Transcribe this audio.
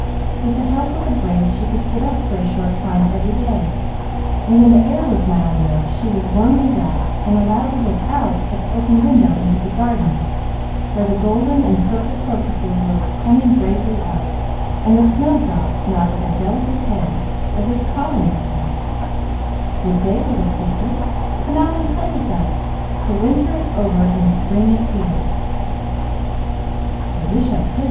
With the help of the brace she could sit up for a short time every day, and when the air was mild enough she was warmly wrapped and allowed to look out at the open window into the garden, where the gold and purple crocuses were coming bravely up, and the snowdrops nodded their delicate heads as if calling to her, "Good day, little sister, come out and play with us, for winter is over and spring is here." "I wish I could!"